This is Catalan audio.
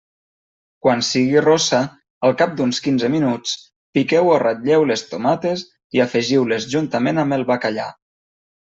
Quan sigui rossa, al cap d'uns quinze minuts, piqueu o ratlleu les tomates i afegiu-les juntament amb el bacallà.